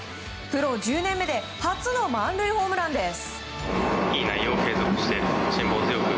プロ１０年目で初の満塁ホームランです。